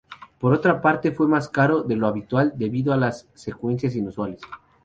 Por otra parte, fue más caro de lo habitual, debido a las secuencias inusuales.